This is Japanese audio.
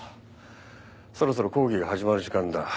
そろそろ講義が始まる時間だ。